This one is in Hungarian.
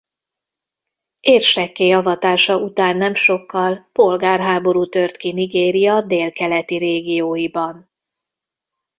Érsekké avatása után nem sokkal polgárháború tört ki Nigéria délkeleti régióiban.